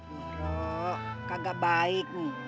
nih rok kagak baik nih